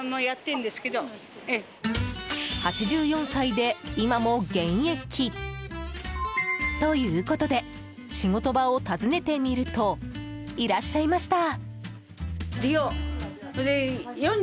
８４歳で、今も現役。ということで仕事場を訪ねてみるといらっしゃいました。